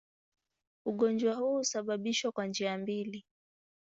Ugonjwa huu husababishwa kwa njia mbili.